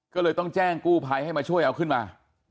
ก็เลยต้องแจ้งกู้ภัยให้มาช่วยเอาขึ้นมา